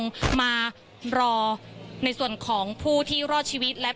พูดสิทธิ์ข่าวธรรมดาทีวีรายงานสดจากโรงพยาบาลพระนครศรีอยุธยาครับ